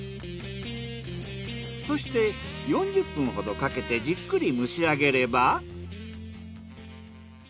そして４０分ほどかけてじっくり蒸し上げれば。